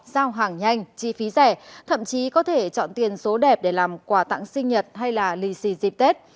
giao hàng nhanh chi phí rẻ thậm chí có thể chọn tiền số đẹp để làm quà tặng sinh nhật hay là lì xì dịp tết